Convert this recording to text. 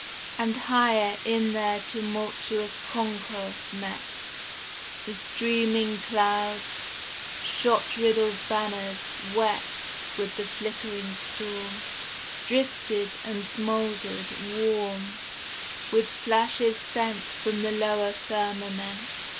And higher, in their tumultuous concourse met, The streaming clouds, shot riddled banners, wet With the flickering storm, Drifted and smouldered, warm With flashes sent From the lower firmament.